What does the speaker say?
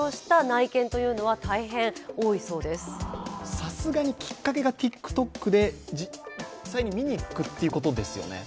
さすがに、きっかけがＴｉｋＴｏｋで見に行くということですよね。